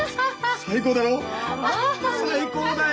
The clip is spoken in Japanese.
最高だよ！